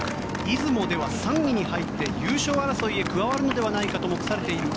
出雲では３位に入って優勝争いに加わるのではと目されている